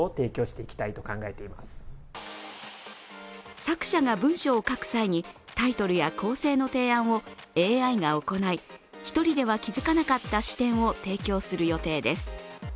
作者が文章を書く際にタイトルや構成の提案をＡＩが行い、１人では気づかなかった視点を提供する予定です。